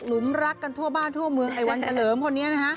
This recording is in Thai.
ลุงรักกันทั่วบ้านทั่วเมืองไอ้วันเฉลิมคนนี้นะฮะ